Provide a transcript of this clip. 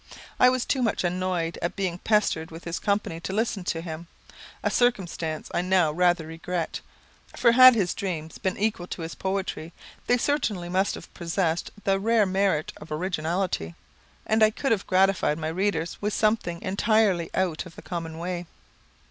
I was too much annoyed at being pestered with his company to listen to him, a circumstance I now rather regret, for had his dreams been equal to his poetry, they certainly must have possessed the rare merit of originality; and I could have gratified my readers with something entirely out of the common way.